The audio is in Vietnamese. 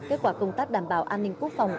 kết quả công tác đảm bảo an ninh quốc phòng